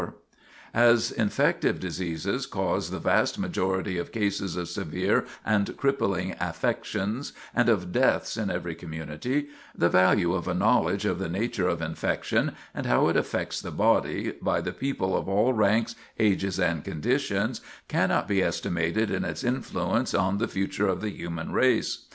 [Sidenote: How Infection Works] As infective diseases cause the vast majority of cases of severe and crippling affections and of deaths in every community, the value of a knowledge of the nature of infection and how it affects the body, by the people of all ranks, ages, and conditions, cannot be estimated in its influence on the future of the human race.